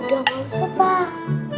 udah langsung pak